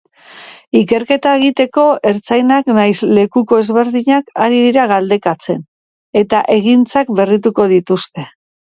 Ikerketa egiteko ertzainak nahiz lekuko ezberdinak ari dira galdekatzen eta egintzak berrituko dituzte.